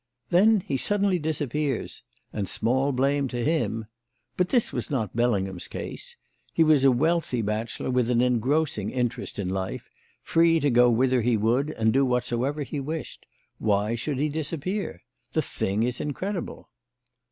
Then he suddenly disappears; and small blame to him. But this was not Bellingham's case. He was a wealthy bachelor with an engrossing interest in life, free to go whither he would and to do whatsoever he wished. Why should he disappear? The thing is incredible.